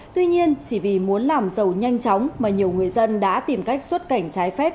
tuy nhiên chỉ vì muốn làm giàu nhanh chóng mà nhiều người dân đã tìm cách xuất cảnh trái phép